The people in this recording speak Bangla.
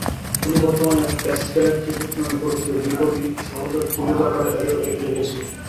তিনি বর্তমানে প্যাসকেলের ত্রিভুজ নামে পরিচিত দ্বিপদী সহগের ত্রিভুজাকার এরেও লিখেছিলেন।